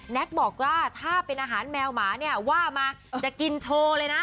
บอกว่าถ้าเป็นอาหารแมวหมาเนี่ยว่ามาจะกินโชว์เลยนะ